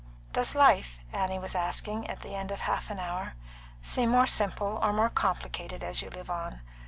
"Does life," Annie was asking, at the end of half an hour, "seem more simple or more complicated as you live on?